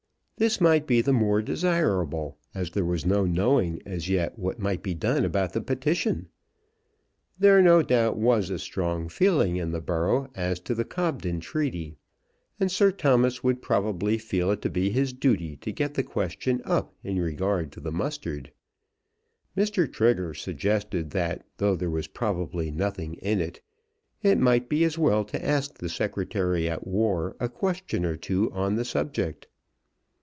This might be the more desirable, as there was no knowing as yet what might be done about the petition. There no doubt was a strong feeling in the borough as to the Cobden treaty, and Sir Thomas would probably feel it to be his duty to get the question up. In regard to the mustard, Mr. Trigger suggested that though there was probably nothing in it, it might be as well to ask the Secretary at War a question or two on the subject.